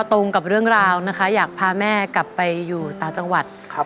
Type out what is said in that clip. ตรงกับเรื่องราวนะคะอยากพาแม่กลับไปอยู่ต่างจังหวัด